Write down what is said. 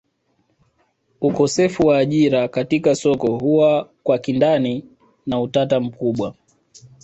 Ukosefu wa ajira katika soko huwa kwa kindani na utata mkubwa